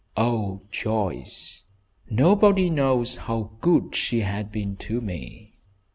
Oh, Joyce, nobody knows how good she has been to me!"